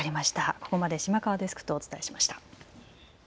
ここまで島川デスクとお伝えしました。